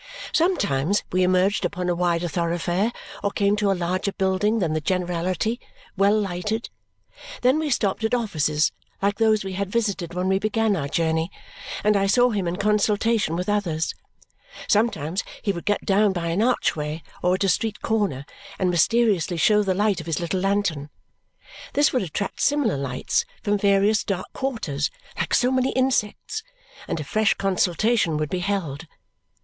Sometimes we emerged upon a wider thoroughfare or came to a larger building than the generality, well lighted. Then we stopped at offices like those we had visited when we began our journey, and I saw him in consultation with others. Sometimes he would get down by an archway or at a street corner and mysteriously show the light of his little lantern. This would attract similar lights from various dark quarters, like so many insects, and a fresh consultation would be held.